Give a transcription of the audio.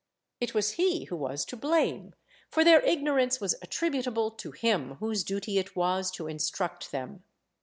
It was he who was to blame, for their ignorance was attributable to him, whose duty it was to instruct them.